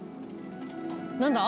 何だ？